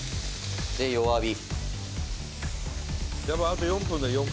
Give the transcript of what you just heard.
「で弱火」